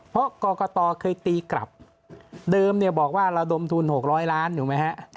เพราะกรกตเคยตีกลับเดิมเนี่ยบอกว่าระดมทุน๖๐๐ล้านถูกไหมฮะ